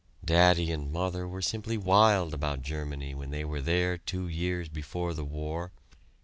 Daddy and Mother were simply wild about Germany when they were there two years before the war.